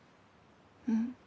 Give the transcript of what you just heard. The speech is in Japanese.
うん。